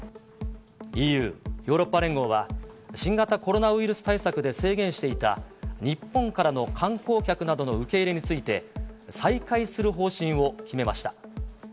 ＥＵ・ヨーロッパ連合は、新型コロナウイルス対策で制限していた日本からの観光客などの受け入れについて、再開する方針を決めました。